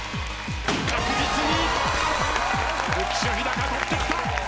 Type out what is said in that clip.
確実に浮所飛貴取ってきた。